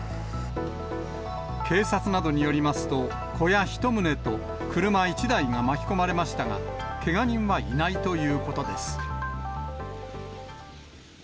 警察などによりますと、小屋１棟と車１台が巻き込まれましたが、けが人はいないということです。